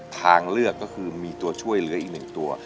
ทางเลือกก็คือมีตัวช่วยเหลืออีก๑ตัว